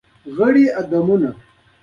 دلته د ارسطو یوه بشپړه فلسفي کتابچه موندل شوې